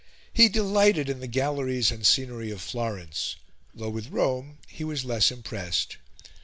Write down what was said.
He delighted in the galleries and scenery of Florence, though with Rome he was less impressed.